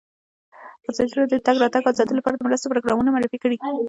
ازادي راډیو د د تګ راتګ ازادي لپاره د مرستو پروګرامونه معرفي کړي.